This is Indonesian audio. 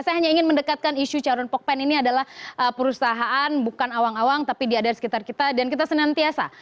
saya hanya ingin mendekatkan isu carun pokpen ini adalah perusahaan bukan awang awang tapi di adar sekitar kita dan kita senantiasa